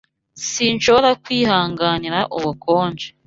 Sinshobora kwihanganira ubukonje.